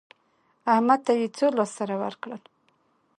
احمد ته يې څو لاس سره ورکړل؟